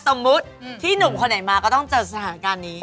สมมุติพี่หนุ่มคนไหนมาก็ต้องเจอสถานการณ์นี้